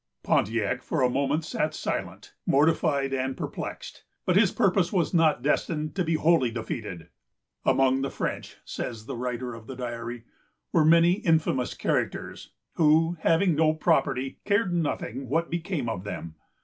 Pontiac for a moment sat silent, mortified, and perplexed; but his purpose was not destined to be wholly defeated. "Among the French," says the writer of the diary, "were many infamous characters, who, having no property, cared nothing what became of them."